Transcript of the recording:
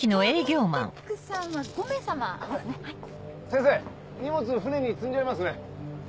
先生荷物船に積んじゃいますね。